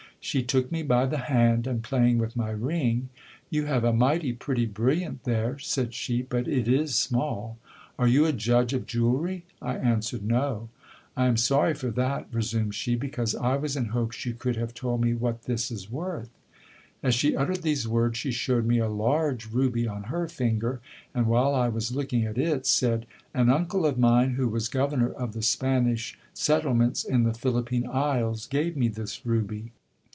She took me by the hand, and playing with my ring, You have a mighty pretty brilliant there, said she, but it is small. Are you a judge of jewellery ? I answered, no ! I am sorry for that, resumed she, because I was in hopes you could have told me what this is worth. As she uttered these words, she showed' me a large ruby on her finger ; and, while I was looking at it, said — An uncle of mine, who was governor of the Spanish settlements in the Philippine isles, gave me this ruby.